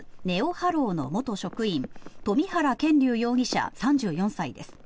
はろうの元職員冨原健龍容疑者、３４歳です。